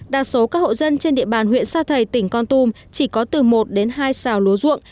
đa số các hộ dân trên địa bàn huyện sa thầy tỉnh con tum chỉ có từ một đến hai xào lúa ruộng